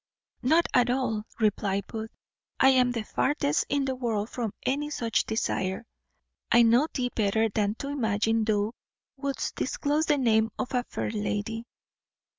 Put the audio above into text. "Not at all," replied Booth; "I am the farthest in the world from any such desire. I know thee better than to imagine thou wouldst disclose the name of a fair lady."